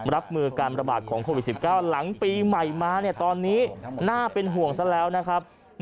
รับมือการระบาดของโควิด๑๙หลังปีใหม่มาตอนนี้น่าเป็นห่วงซะแล้วนะครับ